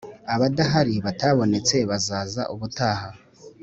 Abadahari batabonetse bazaza ubutaha